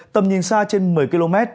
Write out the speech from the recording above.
tầm nhìn xa trên một mươi km